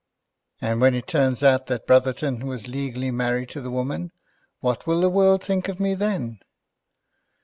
"And when it turns out that Brotherton was legally married to the woman, what will the world think of me then?"